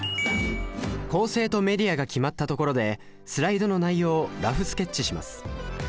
構成とメディアが決まったところでスライドの内容をラフスケッチします